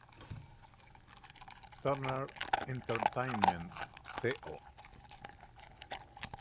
Turner Entertainment Co.